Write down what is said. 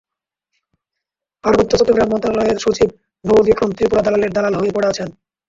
পার্বত্য চট্টগ্রাম মন্ত্রণালয়ের সচিব নববিক্রম ত্রিপুরা দালালের দালাল হয়ে পড়ে আছেন।